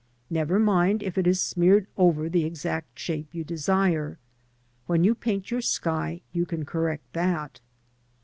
Never mind if it is smeared over the exact shape you desire. When you paint your sky you can correct that.